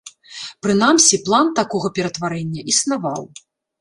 Прынамсі, план такога ператварэння існаваў.